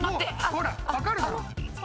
ほらっ分かるだろ。